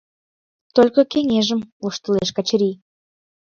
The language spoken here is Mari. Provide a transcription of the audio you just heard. Только кеҥежым, — воштылеш Качырий.